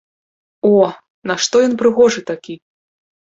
О, нашто ён прыгожы такі!